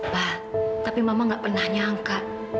pa tapi mama nggak pernah nyangka